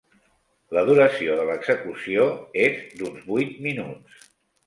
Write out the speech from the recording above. La duració de l'execució és d'uns vuit minuts.